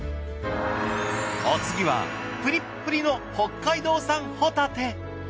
お次はプリップリの北海道産ホタテ。